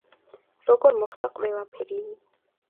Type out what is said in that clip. როგორ მოხდა ყველაფერი?